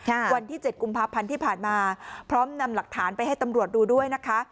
วันที่เจ็ดกุมภาพันธ์ที่ผ่านมาพร้อมนำหลักฐานไปให้ตำรวจดูด้วยนะคะ